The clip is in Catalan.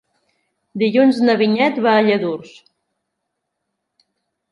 Dilluns na Vinyet va a Lladurs.